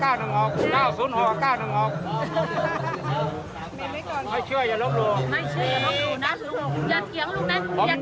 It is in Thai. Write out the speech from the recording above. ไม่ช่วยอย่าลุกนะลุงอย่าเกี่ยวหน่าลุง